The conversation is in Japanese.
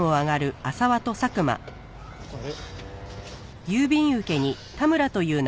あれ？